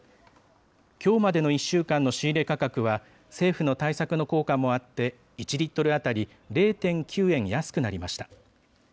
きょうまでの１週間の仕入れ価格は、政府の対策の効果もあって、１リットル当たり０．９円安くなりました。